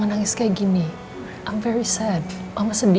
karena saya jatuh teroperasi